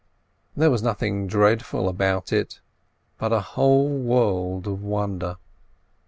There was nothing dreadful about it, but a whole world of wonder.